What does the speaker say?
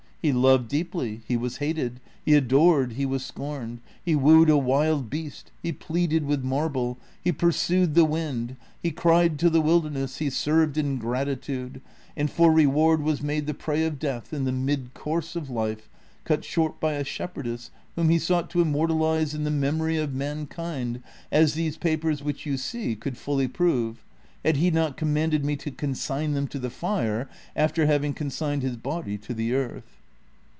He loved deeply, he was hated ; he adored, he was scorned ; he wooed a wild beast, he pleaded with marble, he pursued the wind, he cried to the wilderness, he served ingratitude, and for reward was made the prey of death in the mid course of life, cut short by a shepherdess whom he sought to immortalize in the mem ory of mankind, as these papers which you see could fully prove, had he not commanded me to consign them to the tire after having consigned his body to the earth."